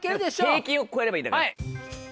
平均を超えればいいだけ。